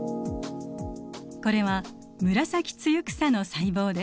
これはムラサキツユクサの細胞です。